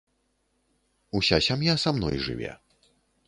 Уся сям'я са мной жыве.